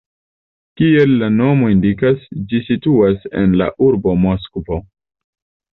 Kiel la nomo indikas, ĝi situas en la urbo Moskvo.